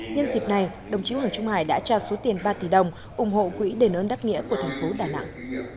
nhân dịp này đồng chí hoàng trung hải đã trao số tiền ba tỷ đồng ủng hộ quỹ đền ơn đắc nghĩa của thành phố đà nẵng